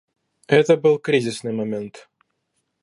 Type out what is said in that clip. Это был кризисный момент.